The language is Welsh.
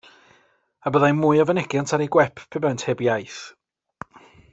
A byddai mwy o fynegiant ar eu gwep pe baent heb iaith.